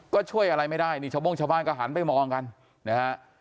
ก็ช่วยอะไรไม่ได้นี่ชาวโม่งชาวบ้านก็หันไปมองกันนะฮะ